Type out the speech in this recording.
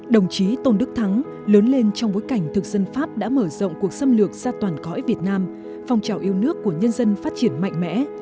đồng chí tôn đức thắng lớn lên trong bối cảnh thực dân pháp đã mở rộng cuộc xâm lược ra toàn cõi việt nam phong trào yêu nước của nhân dân phát triển mạnh mẽ